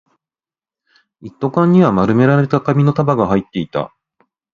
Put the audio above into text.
一斗缶には丸められた紙の束が入っていた